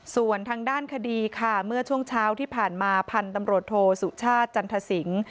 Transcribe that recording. ส่วนทางด้านคดีค่ะเมื่อช่วงเช้าที่ผ่านมาพันธุ์ตำรวจโทสุชาติจันทสิงศ์